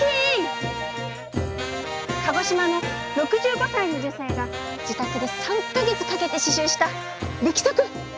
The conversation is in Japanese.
鹿児島の６５歳の女性が自宅で３か月かけて刺繍した力作！